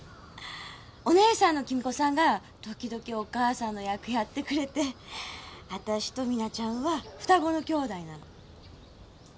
お姉さんの貴美子さんが時々お母さんの役やってくれてあたしと実那ちゃんは双子のきょうだいなの。